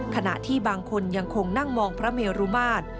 ขณะที่บางคนยังคงนั่งมองพระเมรุมาตร